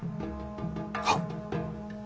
はっ。